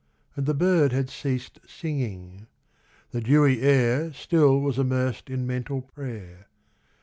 And the bird had ceased singing. The dewy air Still was immersed in mental prayer.